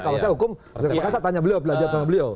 kalau saya hukum makanya saya tanya beliau belajar sama beliau